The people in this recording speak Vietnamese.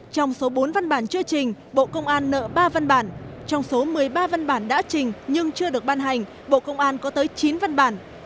trong số bốn văn bản chưa trình bộ công an nợ ba văn bản trong số một mươi ba văn bản đã trình nhưng chưa được ban hành bộ công an có tới chín văn bản